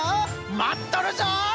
まっとるぞ！